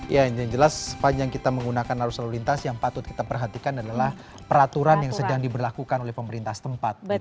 ya yang jelas sepanjang kita menggunakan arus lalu lintas yang patut kita perhatikan adalah peraturan yang sedang diberlakukan oleh pemerintah setempat